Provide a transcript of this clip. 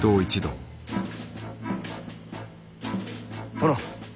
殿。